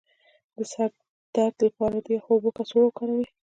د سر د درد لپاره د یخو اوبو کڅوړه وکاروئ